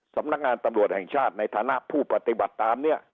สำนักงานตำรวจแห่งชาติในฐานะผู้ปฏิบัติตามเนี่ย